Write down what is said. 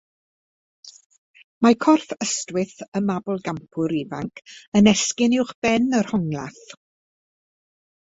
Mae corff ystwyth y mabolgampwr ifanc yn esgyn uwchben yr honglath.